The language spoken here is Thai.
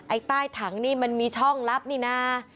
ใต้ถังนี่มันมีช่องลับนี่นะ